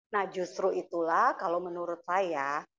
nah justru itulah kalau menurut saya